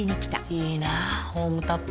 いいなホームタップ。